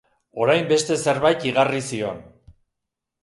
Orain beste zerbait igarri zion.